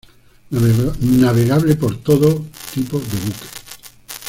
Navegable por todo tipo de buque.